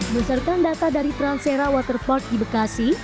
berdasarkan data dari transera waterpark di bekasi